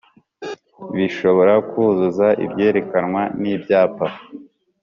bishobora kuzuza ibyerekanwa n'ibyapa.